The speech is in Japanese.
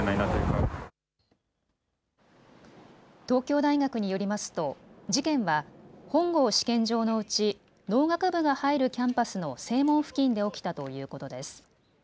東京大学によりますと事件は、本郷試験場のうち農学部が入るキャンパスの正門付近で起きたということです。